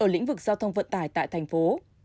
ở lĩnh vực giao thông vận tải tại thành phố